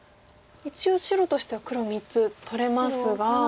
一応白としては黒３つ取れますが。